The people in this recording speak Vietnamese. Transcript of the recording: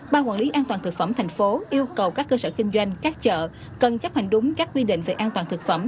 ban quản lý an toàn thực phẩm thành phố yêu cầu các cơ sở kinh doanh các chợ cần chấp hành đúng các quy định về an toàn thực phẩm